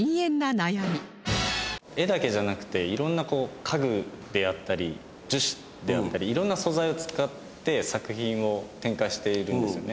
絵だけじゃなくて色んなこう家具であったり樹脂であったり色んな素材を使って作品を展開しているんですよね。